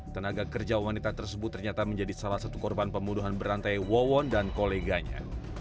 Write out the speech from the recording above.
tenaga kerja wanita tersebut ternyata menjadi salah satu korban pembunuhan berantai wawon dan koleganya